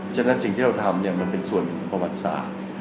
ฉะนั้นสิ่งที่เราทำมันเป็นส่วนประวัติศาสตร์